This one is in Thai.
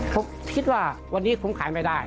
ผมคิดว่าวันนี้ผมขายไม่ได้